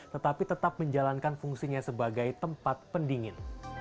tetapi tetap menjalankan fungsinya sebagai tempat pendingin